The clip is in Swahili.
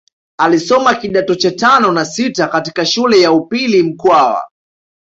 Alisoma kidato cha tano na sita katika shule ya upili mkwawa